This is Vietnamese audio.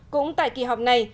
cũng tại kỳ họp này